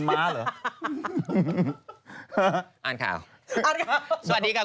อะไร